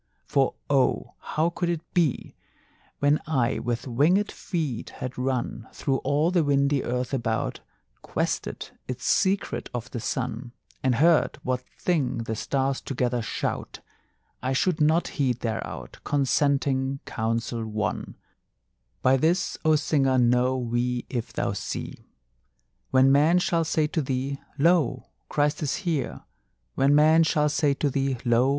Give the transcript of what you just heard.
For oh, how could it be, When I with wingèd feet had run Through all the windy earth about, Quested its secret of the sun, And heard what thing the stars together shout, I should not heed thereout Consenting counsel won: "By this, O Singer, know we if thou see. When men shall say to thee: Lo! Christ is here, When men shall say to thee: Lo!